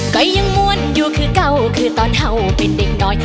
ก็ยังม้วนอยู่คือเก่าคือตอนเห่าเป็นเด็กน้อย